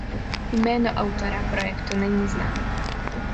Jméno autora projektu není známo.